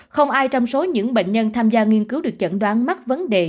không ai trong số những bệnh nhân tham gia nghiên cứu được giận đoánual mắc vấn đề